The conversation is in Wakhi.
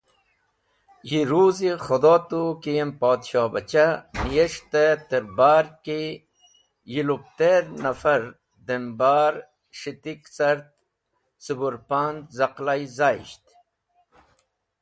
Yi ruzi Khũdo tu ki yem Podshobacha niyes̃hte tẽr bar ki yi lupter nafar dem bar s̃hitik cart cẽbũrpanaz̃ z̃aqlay zayisht.